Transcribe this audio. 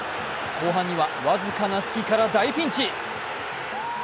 後半には僅かな隙から大ピンチ。